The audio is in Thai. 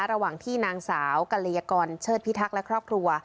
ระหว่างที่นางสาวกัลยากรเชิดพิทักษ์และครอบครัว